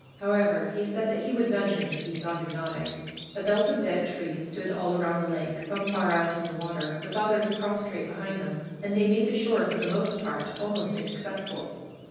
However, he said that he would nudge him if he saw him nodding. A belt of dead trees stood all around the lake, some far out in the water, with others prostrate behind them, and they made the shore, for the most part, almost inaccessible.